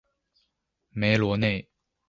梅罗内。